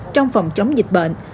trong phòng chống dịch bệnh